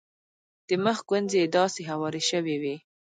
د مخ ګونځې یې داسې هوارې شوې وې.